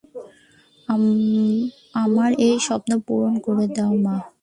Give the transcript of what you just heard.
আমার এই স্বপ্ন পূরণ করে দাও, মা।